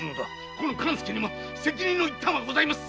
この勘助にも責任の一端はございます。